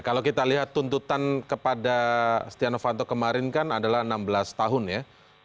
kalau kita lihat tuntutan kepada stiano fanto kemarin kan adalah enam belas tahun ya